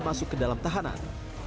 masuk ke dalam tahanan